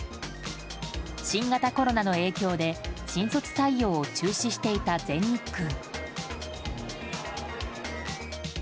新型コロナの影響で新卒採用を中止していた全日空。